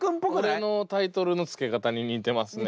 俺のタイトルの付け方に似てますね。